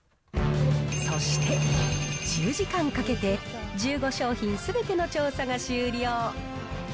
そして、１０時間かけて、１５商品すべての調査が終了。